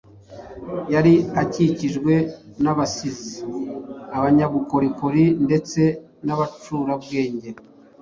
Yari akikijwe n’abasizi, abanyabukorikori ndetse n’abacurabwenge-